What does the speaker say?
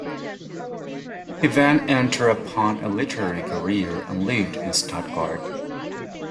He then entered upon a literary career and lived in Stuttgart.